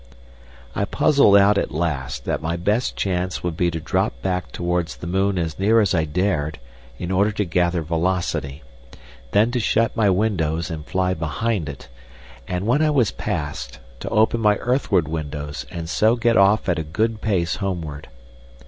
I puzzled out at last that my best chance would be to drop back towards the moon as near as I dared in order to gather velocity, then to shut my windows, and fly behind it, and when I was past to open my earthward windows, and so get off at a good pace homeward.